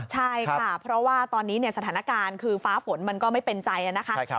ใช่ค่ะเพราะว่าตอนนี้สถานการณ์คือฟ้าฝนมันก็ไม่เป็นใจนะคะ